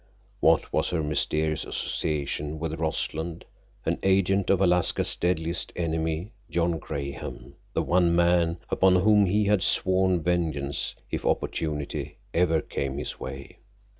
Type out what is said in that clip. What was her mysterious association with Rossland, an agent of Alaska's deadliest enemy, John Graham—the one man upon whom he had sworn vengeance if opportunity ever came his way?